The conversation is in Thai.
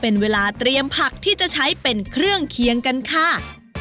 เป็นเวลาเตรียมผักที่จะใช้เป็นเครื่องเคียงกันค่ะ